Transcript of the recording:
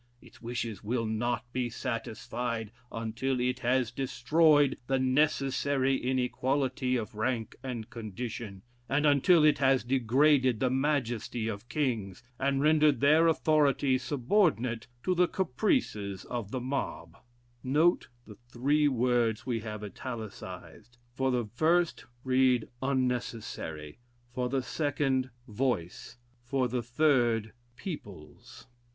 Its wishes will not be satisfied until it has destroyed the necessary inequality of rank and condition, and until it has degraded the majesty of kings, and rendered their authority subordinate to the caprices of the mob." Note the three words we have italicised. For the first read unnecessary; for the second, voice; for the third, peoples.